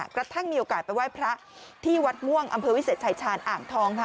กระทั่งมีโอกาสไปไหว้พระที่วัดม่วงอำเภอวิเศษชายชาญอ่างทองค่ะ